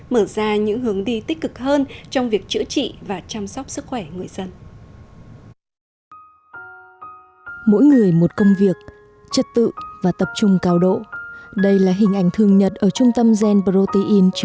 mở ra những hướng đi tích cực hơn trong việc chữa trị